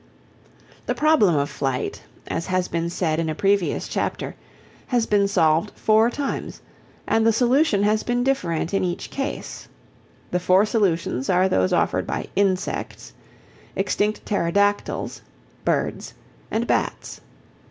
The problem of flight, as has been said in a previous chapter, has been solved four times, and the solution has been different in each case. The four solutions are those offered by insects, extinct Pterodactyls, birds, and bats.